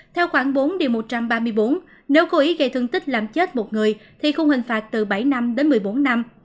theo khoảng bốn một trăm ba mươi bốn nếu cố ý gây thương tích làm chết một người thì không hình phạt từ bảy năm đến một mươi bốn năm